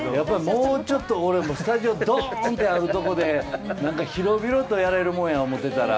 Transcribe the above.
もうちょっとスタジオ、ドーンってところで広々とやれるものやと思ってたら。